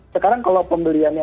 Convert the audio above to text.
sekarang kalau pembeliannya